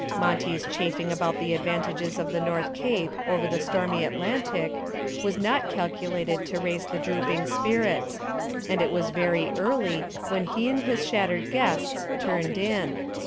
Monty's chafing about the advantages of the North Cape over the stormy Atlantic was not calculated to raise the drooping spirits, and it was very early when he and his shattered guests turned in.